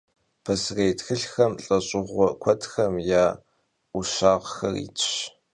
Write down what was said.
Paserêy txılhxem lh'eş'ığue kuedxem ya 'uşağxer yitş.